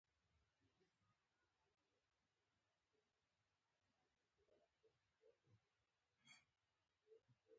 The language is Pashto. ډیجیټل بانکوالي د بانکدارۍ راتلونکی په افغانستان کې دی۔